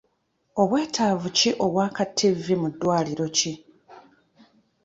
Obwetaavu ki obwa ka Ttivvi mu ddwaliro ki?